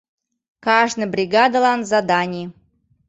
Кажне бригадылан — заданий.